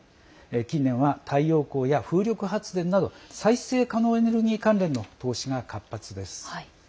近年は、太陽光や風力発電など再生可能エネルギー関連の投資が活発です。